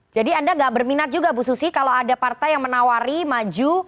jadi anda gak berminat juga bu susi kalau ada partai yang menawari maju